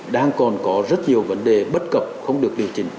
đang còn có rất nhiều vấn đề bất cập không được điều chỉnh